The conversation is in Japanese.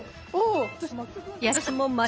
お！